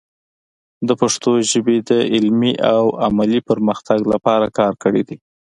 د پښتو ژبې د علمي او عملي پرمختګ لپاره کار کړی دی.